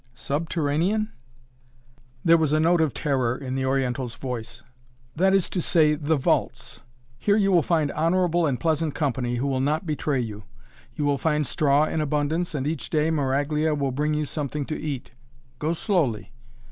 "Subterranean?" There was a note of terror in the Oriental's voice. "That is to say the vaults! Here you will find honorable and pleasant company, who will not betray you. You will find straw in abundance and each day Maraglia will bring you something to eat. Go slowly.